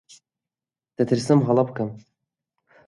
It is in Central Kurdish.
دەترسم هەڵە بکەم.